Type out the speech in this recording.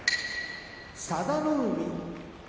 佐田の海